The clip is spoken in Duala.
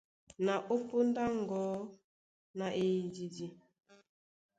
Na ó póndá á ŋgɔ̌ na eyididi.